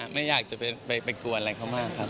ไม่อยากจะไปกวนอะไรเขามากครับ